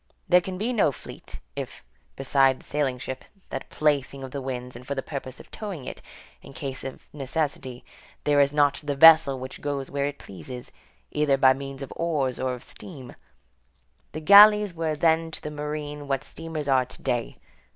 There can be no fleet, if, beside the sailing ship, that plaything of the winds, and for the purpose of towing it, in case of necessity, there is not the vessel which goes where it pleases, either by means of oars or of steam; the galleys were then to the marine what steamers are to day.